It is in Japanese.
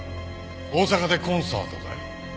大阪でコンサートだよ。